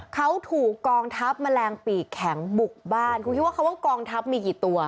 เขาถูกกองทัพแมลงปีกแข็งบุกบ้านคุณคิดว่าคำว่ากองทัพมีกี่ตัว